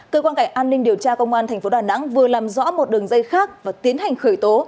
cơ quan cảnh an ninh điều tra công an tp đà nẵng vừa làm rõ một đường dây khác và tiến hành khởi tố